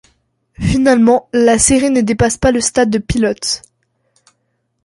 Finalement la série ne dépasse pas le stade de pilote.